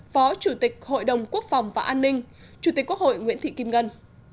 phó chủ tịch hội đồng quốc phòng và an ninh chủ tịch quốc hội nguyễn thị kim ngân